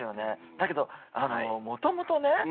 だけどもともとね